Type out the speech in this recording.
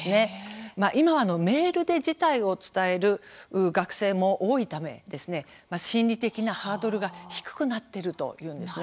今はメールで辞退を伝える学生も多いため心理的なハードルが低くなっているというのです。